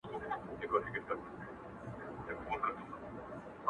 خالقه سترګي د رقیب مي سپېلني کې ورته،